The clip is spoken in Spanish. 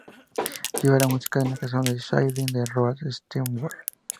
Lleva la música de la canción Sailing de Rod Stewart.